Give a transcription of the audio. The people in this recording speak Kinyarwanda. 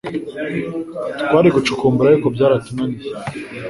Twari gucukumbura ariko byaratunaniye